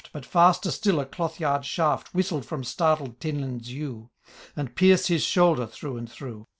But faster still a cloth yard shaft Whistled from startled Tinlinn's yew. And pierced his shoulder through and through.